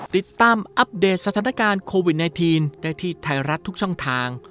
อัปเดตสถานการณ์โควิด๑๙ได้ที่ไทยรัฐทุกช่องทาง